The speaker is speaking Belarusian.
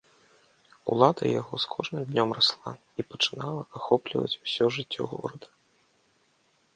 Улада яго з кожным днём расла і пачынала ахопліваць усё жыццё горада.